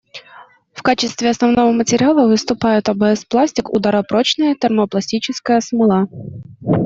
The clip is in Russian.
В качестве основного материала выступает АБС-пластик — ударопрочная термопластическая смола.